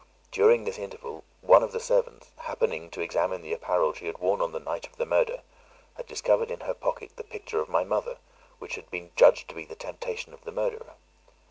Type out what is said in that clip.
During this interval, one of the servants, happening to examine the apparel she had worn on the night of the murder, had discovered in her pocket the picture of my mother, which had been judged to be the temptation of the murderer.